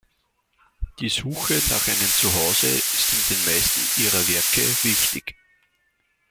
Die Suche nach einem Zuhause ist in den meisten ihrer Werke wichtig.